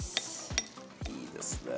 いいですね。